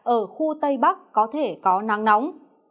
ở khu tây bắc có thể có nắng nóng